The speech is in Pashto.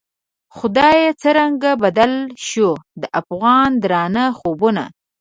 خدایه څرنګه بدل شوو، د افغان درانه خوبونه